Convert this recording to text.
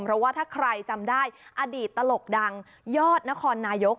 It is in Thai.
เพราะว่าถ้าใครจำได้อดีตตลกดังยอดนครนายก